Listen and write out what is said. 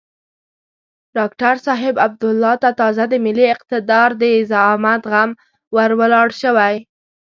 ډاکتر صاحب عبدالله ته تازه د ملي اقتدار د زعامت غم ور ولاړ شوی.